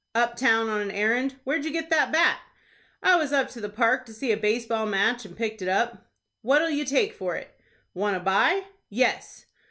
"Up town on an errand. Where'd you get that bat?" "I was up to the Park to see a base ball match, and picked it up." "What'll you take for it?" "Want to buy?" "Yes."